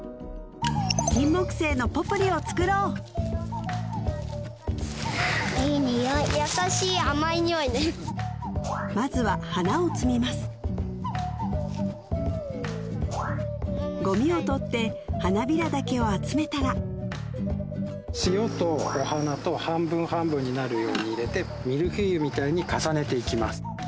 キンモクセイのポプリを作ろうまずは花を摘みますゴミを取って花びらだけを集めたら塩とお花と半分半分になるように入れてミルフィーユみたいに重ねていきます